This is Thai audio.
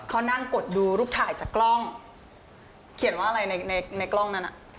เขานั่งกดดูรูปถ่ายจากกล้องเขียนว่าอะไรในในกล้องนั้นอ่ะ